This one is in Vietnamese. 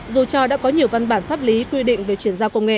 dù cho đã có nhiều văn bản pháp lý quy định về chuyển giao công nghệ